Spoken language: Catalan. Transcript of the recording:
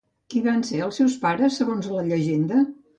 Qui van ser els seus pares, segons la llegenda?